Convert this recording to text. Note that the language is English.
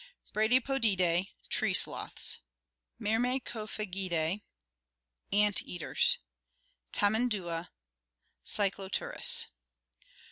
Bradypodidse, tree sloths. Myrmecophagidas, ant eaters: Tamandua, Cycloturus.